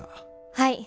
はい。